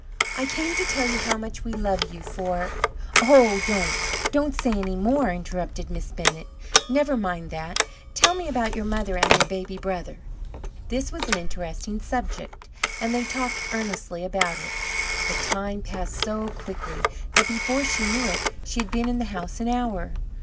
"I came to tell you how much we love you for " "Oh, don't! don't say any more!" interrupted Miss Bennett; "never mind that! Tell me about your mother and your baby brother." This was an interesting subject, and they talked earnestly about it. The time passed so quickly that, before she knew it, she had been in the house an hour.